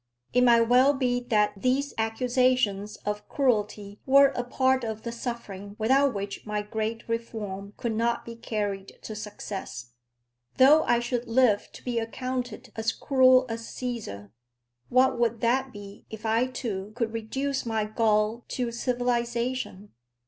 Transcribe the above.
It might well be that these accusations of cruelty were a part of the suffering without which my great reform could not be carried to success. Though I should live to be accounted as cruel as Cæsar, what would that be if I too could reduce my Gaul to civilisation?